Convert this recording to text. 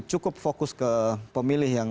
cukup fokus ke pemilih yang